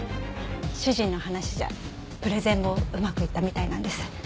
主人の話じゃプレゼンもうまくいったみたいなんです